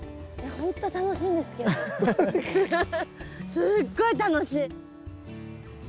すっごい楽しい！